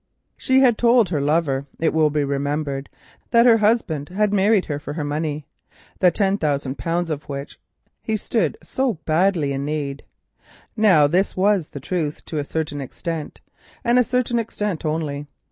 She had told Edward Cossey, it will be remembered, that her husband had married her for her money—the ten thousand pounds of which he stood so badly in need. Now this was the truth to a certain extent, and a certain extent only.